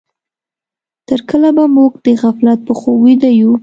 تر کله به موږ د غفلت په خوب ويده يو؟